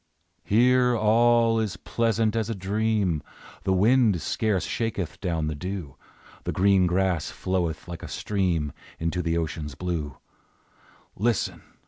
Here all is pleasant as a dream; The wind scarce shaketh down the dew, The green grass floweth like a stream Into the ocean's blue; Listen!